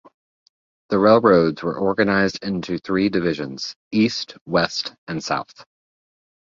The railroads were organized into three divisions: East, West, and South.